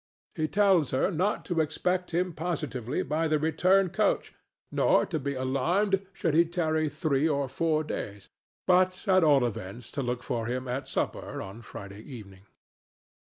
He tells her not to expect him positively by the return coach nor to be alarmed should he tarry three or four days, but, at all events, to look for him at supper on Friday evening.